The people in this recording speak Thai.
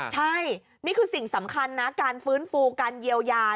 ใช่นี่คือสิ่งสำคัญนะการฟื้นฟูการเยียวยา